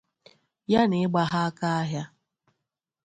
ya na ịgba ha aka ahịa.